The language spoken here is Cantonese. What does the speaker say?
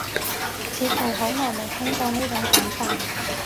似乎好耐冇聽過呢種講法